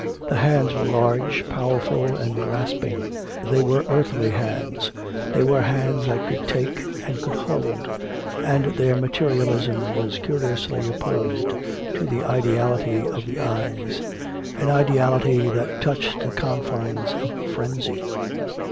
The hands were large, powerful, and grasping; they were earthly hands; they were hands that could take and could hold, and their materialism was curiously opposed to the ideality of the eyes an ideality that touched the confines of frenzy.